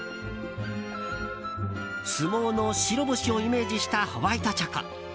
相撲の白星をイメージしたホワイトチョコ。